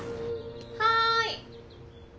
はい。